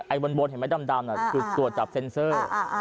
บนเห็นไหมดำคือตรวจจับเซ็นเซอร์